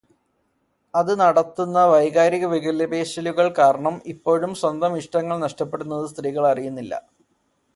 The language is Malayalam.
അത് നടത്തുന്ന വൈകാരികവിലപേശലുകൾ കാരണം പലപ്പോഴും സ്വന്തം ഇടങ്ങൾ നഷ്ടപ്പെടുന്നത് സ്ത്രീകൾ അറിയുന്നില്ല.